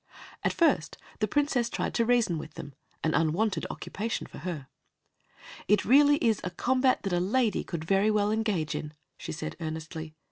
At first the Princess tried to reason with them an unwonted occupation for her. "It really is a combat that a lady could very well engage in," she said earnestly.